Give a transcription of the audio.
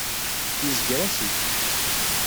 Yezger asif.